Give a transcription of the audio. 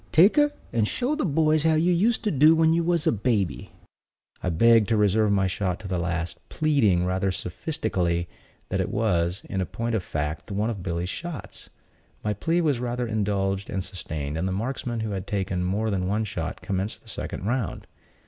Take her, and show the boys how you used to do when you was a baby." I begged to reserve my shot to the last; pleading, rather sophistically, that it was, in point of fact, one of the Billy's shots. My plea was rather indulged than sustained, and the marksmen who had taken more than one shot commenced the second round.